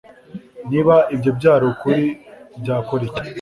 Niba ibyo byari ukuri wakora iki